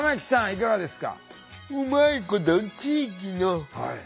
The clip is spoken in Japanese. いかがですか？